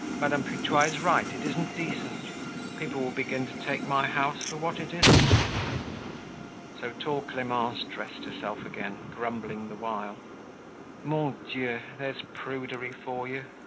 "Madame Putois is right, it isn't decent. People will begin to take my house for what it isn't." So tall Clemence dressed herself again, grumbling the while. "Mon Dieu! There's prudery for you."